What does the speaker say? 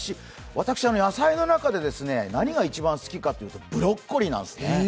私、野菜の中で何が一番好きかというと、ブロッコリーなんですね。